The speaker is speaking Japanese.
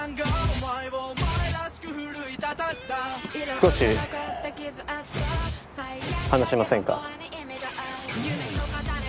少し話しませんか？